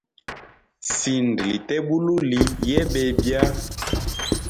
Sinda lite bululi yena bebya.